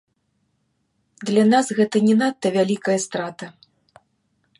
Для нас гэта не надта вялікая страта.